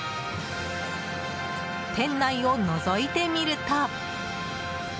店内をのぞいてみると。